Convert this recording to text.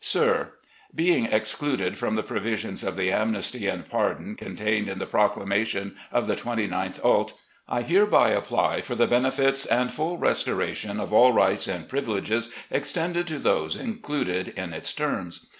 "Sir: Being excluded from the provisions of the amnesty and pardon contained in the proclamation of the 29th ult., I hereby apply for the benefits and full restoration of all rights and privileges extended to those included in its terms.